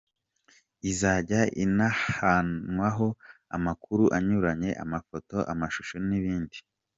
Izajya ihanahanwaho amakuru anyuranye, amafoto, amashusho n'ibindi.